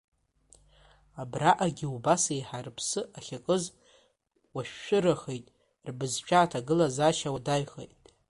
Абраҟагьы убас еиҳа рыԥсы ахьакыз уашәшәырахеит, рбызшәа аҭагылазаашьа уадаҩхеит.